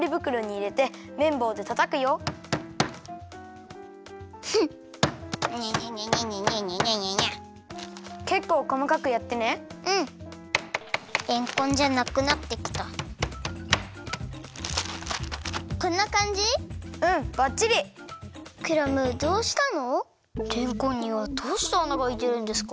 れんこんにはどうしてあながあいてるんですか？